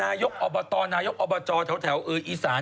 ปลาหมึกแท้เต่าทองอร่อยทั้งชนิดเส้นบดเต็มตัว